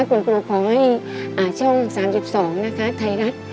คุณครูขอให้อ่าช่องสามสิบสองนะคะไทยรัฐ